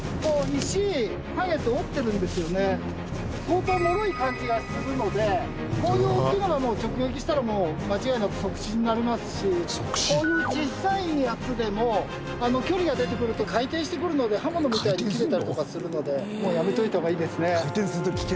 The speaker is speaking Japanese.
相当もろい感じがするのでこういう大きいのが直撃したら間違いなく即死になりますしこういう小さいやつでも距離が出てくると回転してくるので刃物みたいに切れたりとかするのでやめておいた方がいいですね。